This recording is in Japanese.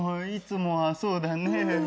いつもはそうだね。